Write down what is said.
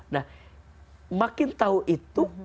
nah makin tau itu